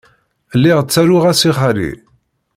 Lliɣ ttaruɣ-as i xali.